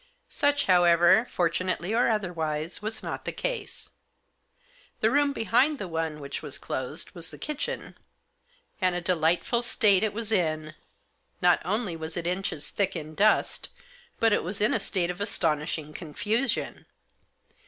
Such, however, fortunately or otherwise, was not the case. The room behind the one which was closed was the kitchen ; that was open, and a delightful state it was in. Not only was it inches thick in dust, but it was in a state of astonishing confusion.